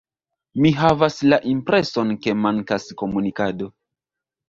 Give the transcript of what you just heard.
Mi havas la impreson ke mankas komunikado.